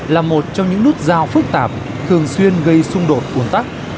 là một trong những nút giao phức tạp thường xuyên gây xung đột ổn tắc